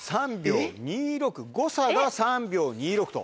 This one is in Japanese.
誤差が３秒２６と。